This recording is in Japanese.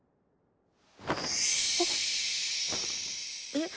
えっ。